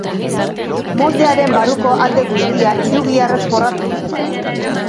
Moldearen barruko alde guztia hirugiharrez forratuko dugu.